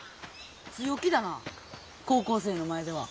強気だな高校生の前では。